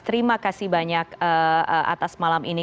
terima kasih banyak atas malam ini